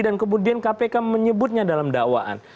dan kemudian kpk menyebutnya dalam dawaan